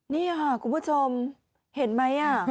นี่ค่ะคุณผู้ชมเห็นไหม